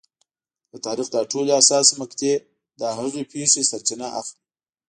د تاریخ دا ټولې حساسې مقطعې له هغې پېښې سرچینه اخلي.